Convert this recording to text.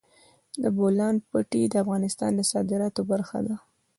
د بولان پټي د افغانستان د صادراتو برخه ده.